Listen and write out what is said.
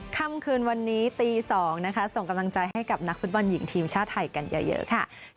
ค่ำคืนวันนี้ตี๒นะคะส่งกำลังใจให้กับนักฟุตบอลหญิงทีมชาติไทยกันเยอะค่ะ